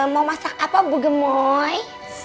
mau masak apa bu gemoy